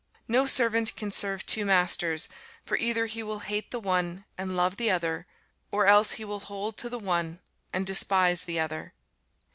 No servant can serve two masters: for either he will hate the one, and love the other; or else he will hold to the one, and despise the other.